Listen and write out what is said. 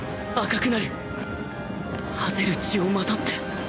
はぜる血をまとって